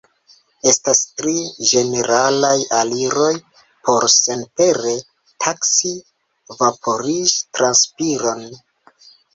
Estas tri ĝeneralaj aliroj por senpere taksi vaporiĝ-transpiron.